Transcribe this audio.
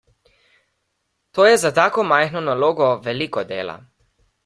To je za tako majhno nalogo veliko dela.